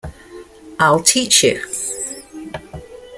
I'll teach you.